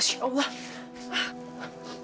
tapi ini baru baru tahun ya